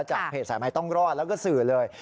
จากเพจสายไม้ต้องรอดและสื่อเลย